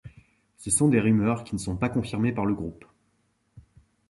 Ce sont des rumeurs qui ne sont pas confirmées par le groupe.